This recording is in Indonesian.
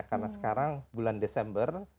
karena sekarang bulan desember